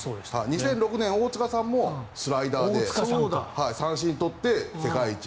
２００６年、大塚さんもスライダーで三振を取って世界一。